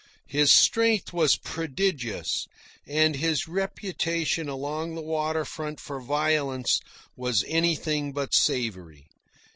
His strength was prodigious, and his reputation along the water front for violence was anything but savoury.